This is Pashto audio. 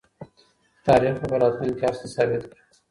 تاریخ به په راتلونکي کې هر څه ثابت کړي.